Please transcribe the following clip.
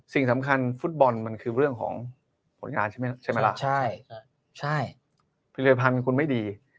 สิ่งสำคัญฟุตบอลมันคือเรื่องของผลงานใช่ไหมล่ะใช่ผลิตภัณฑ์เป็นคนไม่ดี